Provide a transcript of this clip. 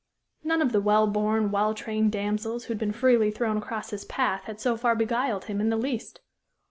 None of the well born, well trained damsels who had been freely thrown across his path had so far beguiled him in the least.